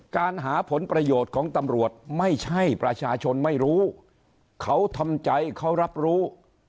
การหาผลประโยชน์ของตำรวจไม่ใช่ประชาชนไม่รู้เขาทำใจเขารับรู้